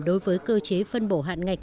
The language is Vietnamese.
đối với cơ chế phân bổ hạn ngạch